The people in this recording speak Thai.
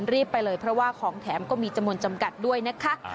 รีบไปเลยเพราะว่าของแถมก็มีจำนวนจำกัดด้วยนะคะ